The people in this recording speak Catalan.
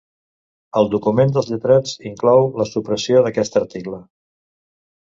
El document dels lletrats inclou la supressió d’aquest article.